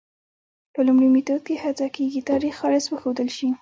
په لومړي میتود کې هڅه کېږي تاریخ خالص وښودل شي.